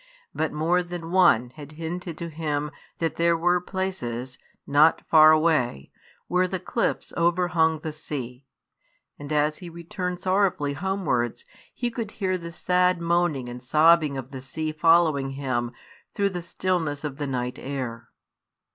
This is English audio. But more than one had hinted to him that there were places, not far away, where the cliffs overhung the sea; and as he returned sorrowfully homewards he could hear the sad moaning and sobbing of the sea following him through the stillness of the night air.